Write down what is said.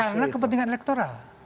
karena kepentingan elektoral